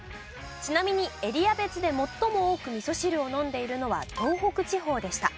ちなみにエリア別で最も多くみそ汁を飲んでいるのは東北地方でした。